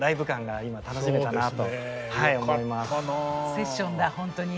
セッションだ本当に。